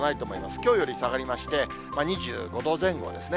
きょうより下がりまして、２５度前後ですね。